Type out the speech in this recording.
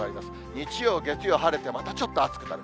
日曜、月曜晴れて、またちょっと暑くなる。